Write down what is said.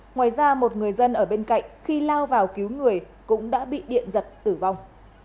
ngoài ra một người dân ở bên cạnh khi lao vào cứu người cũng đã bị điện giật tử vong